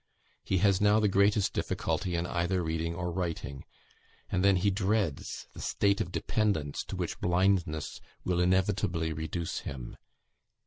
He has now the greatest difficulty in either reading or writing; and then he dreads the state of dependence to which blindness will inevitably reduce him.